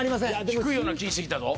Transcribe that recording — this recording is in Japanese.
低いような気してきたぞ。